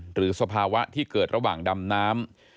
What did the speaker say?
สภาวะที่เกิดระหว่างดำน้ำ